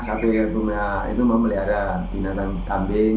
satu rumah itu memelihara binatang kambing